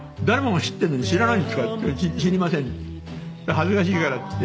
「恥ずかしいから」って言って。